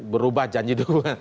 berubah janji dukungan